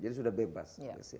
jadi sudah bebas